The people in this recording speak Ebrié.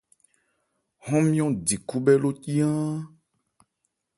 Hɔ́n nmyɔ̂n di khúbhɛ́ ló cí áán.